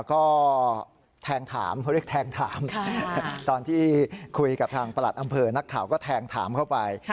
ก็แทงถามเขาเรียกแทงถามตอนที่คุยกับทางประหลัดอำเภอนักข่าวก็แทงถามเข้าไป